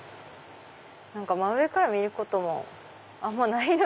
何か真上から見ることもあんまりないので。